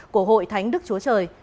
của hội thánh đức chúa trời